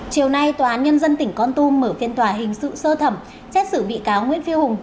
chiều nay tòa án nhân dân tỉnh con tùm mở phiên tòa hình sự sơ thẩm chết xử bị cáo nguyễn phi hùng